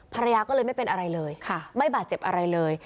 ภรรยาก็เลยไม่เป็นอะไรเลยค่ะไม่บาดเจ็บอะไรเลย